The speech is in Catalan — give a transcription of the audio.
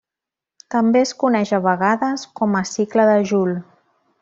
També es coneix a vegades com a cicle de Joule.